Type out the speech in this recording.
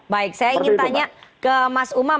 baik saya ingin tanya ke mas umam